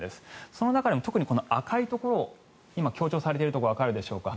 その中でも特にこの赤いところ今、強調されているところがわかるでしょうか。